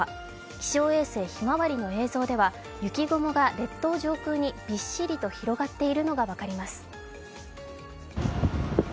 気象衛星ひまわりの映像では雪雲が列島上空にびっしりと広がっているのが分かります。